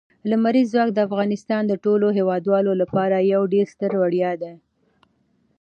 لمریز ځواک د افغانستان د ټولو هیوادوالو لپاره یو ډېر ستر ویاړ دی.